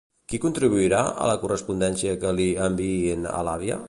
Qui contribuirà en la correspondència que li enviïn a l'àvia?